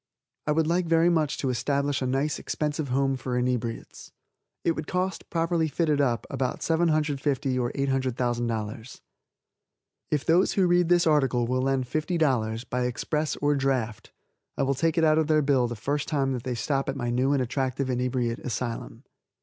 I would like very much to establish a nice, expensive home for inebriates. It would cost, properly fitted up, about $750,000 or $800,000. If those who read this article will lend $50, by express or draft, I will take it out of their bill the first time they will stop at my new and attractive inebriate asylum.